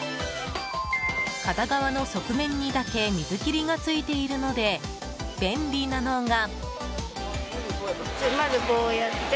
片側の側面にだけ水切りがついているので便利なのが。